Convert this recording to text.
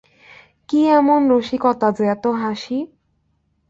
কী এমন রসিকতা যে এত হাসি!